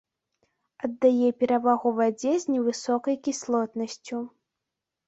Аддае перавагу вадзе з невысокай кіслотнасцю.